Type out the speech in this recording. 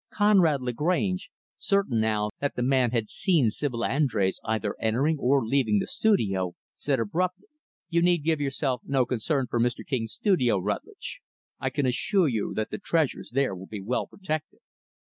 Conrad Lagrange certain, now, that the man had seen Sibyl Andrés either entering or leaving the studio said abruptly, "You need give yourself no concern for Mr. King's studio, Rutlidge. I can assure you that the treasures there will be well protected."